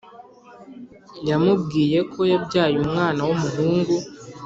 yamubwiyeko yabyaye umwana wumuhungu